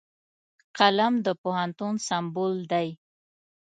قلم د پوهنتون سمبول دی